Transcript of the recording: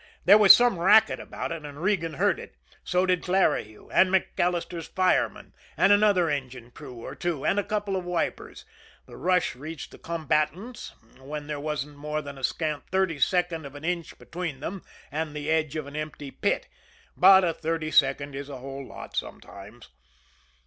There was some racket about it, and Regan heard it; so did Clarihue, and MacAllister's fireman, and another engine crew or two, and a couple of wipers. The rush reached the combatants when there wasn't more than a scant thirty second of an inch between them and the edge of an empty pit but a thirty second is a whole lot sometimes.